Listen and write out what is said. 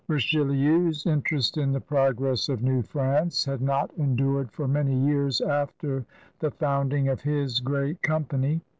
Richelieu's interest in the progress of New France had not endured for many years after the founding of his great Company.